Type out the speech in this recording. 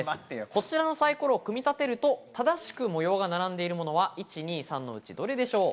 こちらのサイコロを組み立てると、正しく模様が並んでいるのは１、２、３のうちどれでしょう？